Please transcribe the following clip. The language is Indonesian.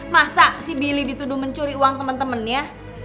masa si billy dituduh mencuri uang temen temennya